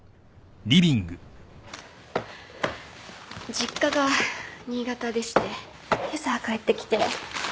実家が新潟でしてけさ帰ってきて。